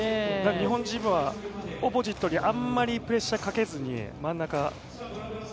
日本チームはオポジットにあんまりプレッシャーをかけずに真ん中。